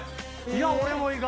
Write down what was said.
俺も意外。